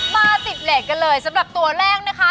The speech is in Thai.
มาติดเลสกันเลยสำหรับตัวแรกนะคะ